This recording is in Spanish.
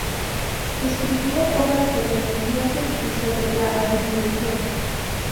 Escribió obras sobre los dioses y sobre la adivinación.